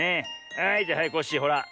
はいじゃはいコッシーほら。